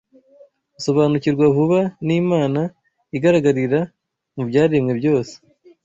usobanukirwa vuba n’Imana igaragarira mu byaremwe byose